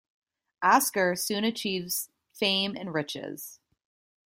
Oskar soon achieves fame and riches.